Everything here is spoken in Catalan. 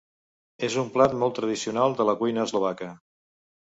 És un plat molt tradicional de la cuina eslovaca.